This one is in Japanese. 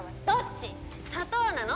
砂糖なの？